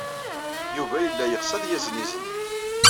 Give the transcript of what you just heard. Yuba yella yeɣs ad yazen izen.